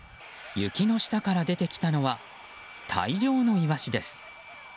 雪の下から出てきたのは大量のイワシです。